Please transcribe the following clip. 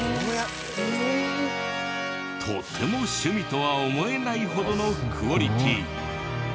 とても趣味とは思えないほどのクオリティー。